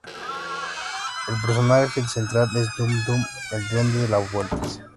El personaje central es "Dum Dum", el "Duende de las Vueltas".